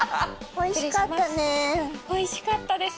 おいしかったです。